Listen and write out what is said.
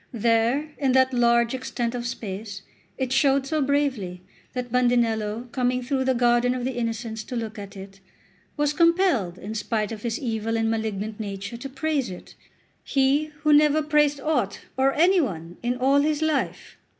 There, in that large extent of space, it showed so bravely that Bandinello, coming through the garden of the Innocents to look at it, was compelled, in spite of his evil and malignant nature, to praise it, he who never praised aught or any one in all his life!